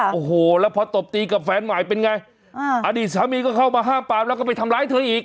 โอ้โหแล้วพอตบตีกับแฟนใหม่เป็นไงอ่าอดีตสามีก็เข้ามาห้ามปามแล้วก็ไปทำร้ายเธออีก